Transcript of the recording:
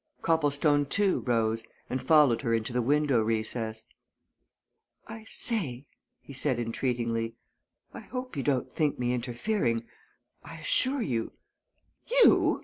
Copplestone too rose and followed her into the window recess. "I say!" he said entreatingly. "I hope you don't think me interfering? I assure you " "You!"